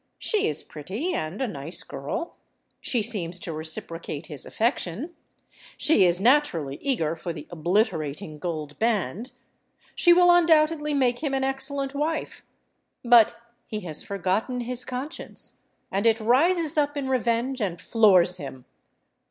She is pretty and a nice girl; she seems to reciprocate his affection; she is naturally eager for the obliterating gold band; she will undoubtedly make him an excellent wife. But he has forgotten his conscience—and it rises up in revenge and floors him.